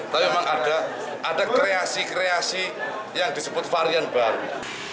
tapi memang ada kreasi kreasi yang disebut varian baru